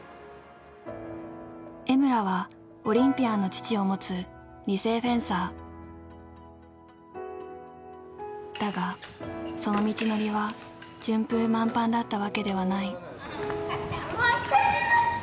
江村はオリンピアンの父を持つだがその道のりは順風満帆だったわけではない。